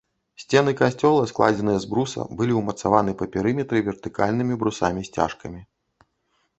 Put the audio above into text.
Сцены касцёла, складзеныя з бруса, былі ўмацаваны па перыметры вертыкальнымі брусамі-сцяжкамі.